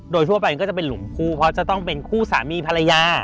โดยทั่วไปก็จะเป็นหลุมคู่เพราะจะต้องเป็นคู่สามีภรรยา